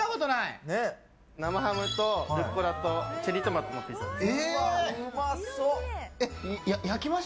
生ハムとルッコラとチェリートマトのピザです。